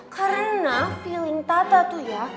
karena feeling tata tuh ya